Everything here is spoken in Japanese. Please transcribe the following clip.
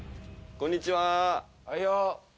こんにちは。